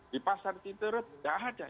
di pasar titeret nggak ada